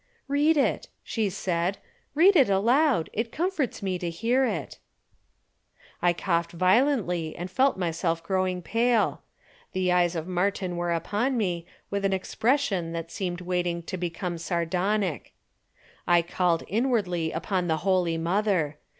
"Read it," she said. "Read it aloud! It comforts me to hear it." [Illustration: "Read it aloud," she said. "It comforts me."] I coughed violently and felt myself growing pale. The eyes of Martin were upon me with an expression that seemed waiting to become sardonic. I called inwardly upon the Holy Mother.